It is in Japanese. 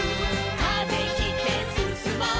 「風切ってすすもう」